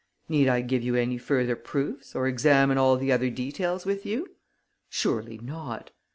Need I give you any further proofs or examine all the other details with you? Surely not.